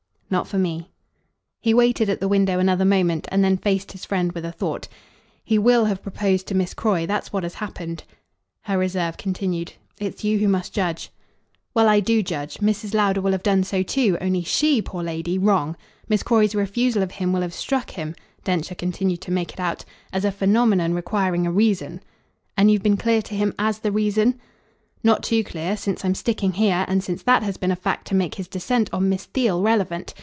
"Not for me." He waited at the window another moment and then faced his friend with a thought. "He WILL have proposed to Miss Croy. That's what has happened." Her reserve continued. "It's you who must judge." "Well, I do judge. Mrs. Lowder will have done so too only SHE, poor lady, wrong. Miss Croy's refusal of him will have struck him" Densher continued to make it out "as a phenomenon requiring a reason." "And you've been clear to him AS the reason?" "Not too clear since I'm sticking here and since that has been a fact to make his descent on Miss Theale relevant.